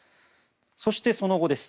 そしてその後です。